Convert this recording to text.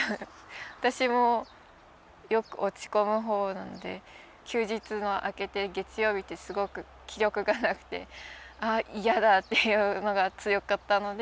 私もよく落ち込む方なんで休日が明けて月曜日ってすごく気力がなくてああ嫌だっていうのが強かったので。